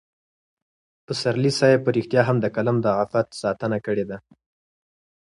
پسرلي صاحب په رښتیا هم د قلم د عفت ساتنه کړې ده.